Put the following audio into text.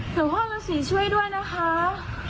เดี๋ยวพ่ออฤษฎีช่วยด้วยนะคะ